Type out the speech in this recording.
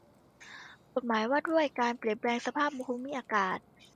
กฎหมายว่าด้วยการเปลี่ยนแปลงสภาพภูมิอากาศ